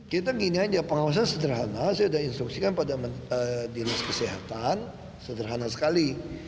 kita gini aja pengawasan sederhana saya sudah instruksikan pada dinas kesehatan sederhana sekali